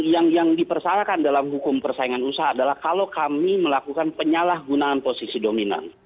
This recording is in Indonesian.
yang dipersalahkan dalam hukum persaingan usaha adalah kalau kami melakukan penyalahgunaan posisi dominan